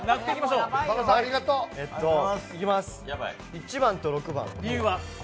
１番と６番。